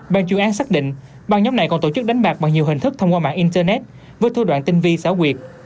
ban chuyên án xác định băng nhóm này còn tổ chức đánh bạc bằng nhiều hình thức thông qua mạng internet với thua đoạn tin vi xáo quyệt